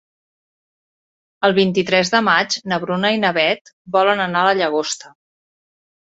El vint-i-tres de maig na Bruna i na Beth volen anar a la Llagosta.